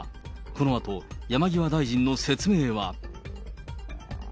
このあと、山際大臣の説明は？